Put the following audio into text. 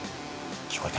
聞こえた？